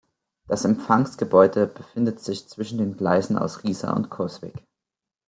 Das Empfangsgebäude befindet sich zwischen den Gleisen aus Riesa und Coswig.